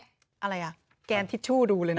อะไรอ่ะแกนทิชชู่ดูเลยนะ